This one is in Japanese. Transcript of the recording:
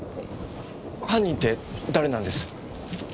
犯人って誰なんです？